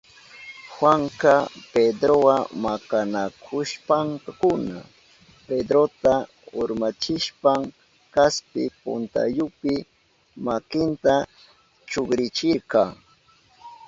Juanka Pedrowa makanakushpankuna Pedrota urmachishpan kaspi puntayupi makinta chukrichirka.